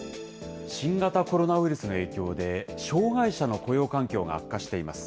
新型コロナウイルスの影響で、障害者の雇用環境が悪化しています。